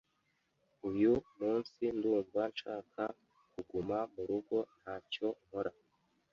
Uyu munsi ndumva nshaka kuguma murugo ntacyo nkora.